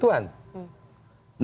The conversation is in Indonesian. dua duanya punya kemampuan